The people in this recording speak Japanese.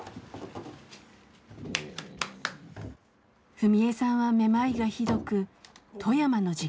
史恵さんはめまいがひどく富山の実家に。